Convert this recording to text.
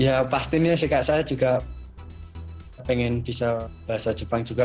ya pastinya sih kak saya juga pengen bisa bahasa jepang juga